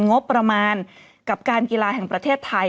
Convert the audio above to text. งบประมาณกับการกีฬาแห่งประเทศไทย